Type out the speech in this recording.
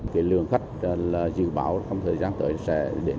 cái lượng khách là dự báo trong thời gian tới sẽ đến